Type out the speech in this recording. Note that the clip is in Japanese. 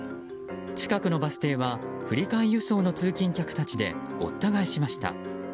近くのバス停は振替輸送の通勤客たちでごった返しました。